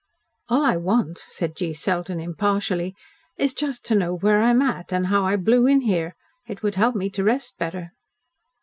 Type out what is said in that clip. "All I want," said G. Selden impartially, "is just to know where I'm at, and how I blew in here. It would help me to rest better."